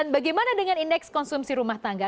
bagaimana dengan indeks konsumsi rumah tangga